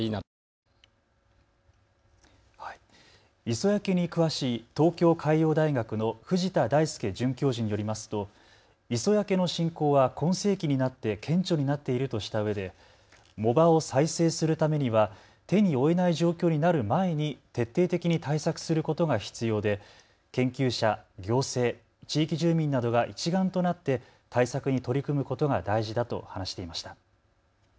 磯焼けに詳しい東京海洋大学の藤田大介准教授によりますと磯焼けの進行は今世紀になって顕著になっているとしたうえで藻場を再生するためには手に負えない状況になる前に徹底的に対策することが必要で研究者、行政、地域住民などが一丸となって対策に取り組むことが大事だと話していました。